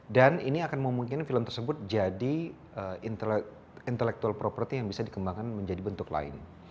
dan ini akan memungkinkan film tersebut jadi intellectual property yang bisa dikembangkan menjadi bentuk lain